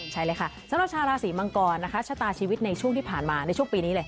ใช่เลยค่ะสำหรับชาวราศีมังกรนะคะชะตาชีวิตในช่วงที่ผ่านมาในช่วงปีนี้เลย